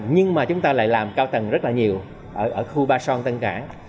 nhưng mà chúng ta lại làm cao tầng rất là nhiều ở khu ba son tân cảng